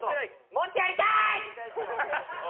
もっとやりたい！！